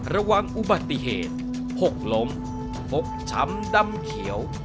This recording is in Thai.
ระวังอุบัติเหตุหกล้มพกช้ำดำเขียว